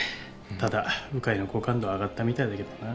ただ鵜飼の好感度上がったみたいだけどな。